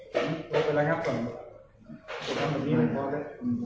แต่ว่าเป็นไรครับผมผมต้องรถแบบนี้นะอย่างคอนแรก